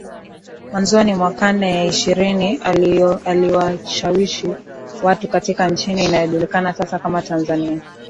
Mwanzoni mwa karne ya ishirini aliwashawishi watu katika nchi inayojulikana sasa kama Tanzania